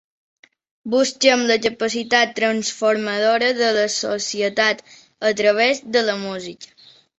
Busquem la capacitat transformadora de la societat a través de la música.